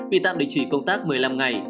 bị tạm định trì công tác một mươi năm ngày